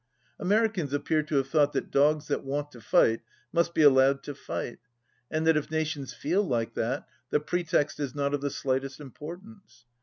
Americans appear to have thought that dogs that want to fight must be allowed to fight, and that if nations feel like that, the pretext is not of the slightest importance.